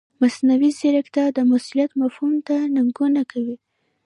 مصنوعي ځیرکتیا د مسؤلیت مفهوم ته ننګونه کوي.